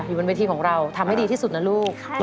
บนเวทีของเราทำให้ดีที่สุดนะลูก